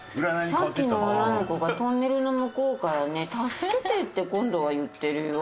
さっきの女の子がトンネルの向こうからね「助けて」って今度は言ってるよ。